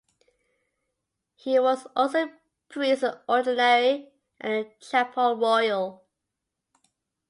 He was also Priest in Ordinary at the Chapel Royal.